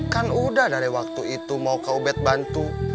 kan udah dari waktu itu mau ke ubed bantu